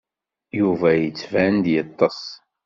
Yuba yettban-d yeṭṭes.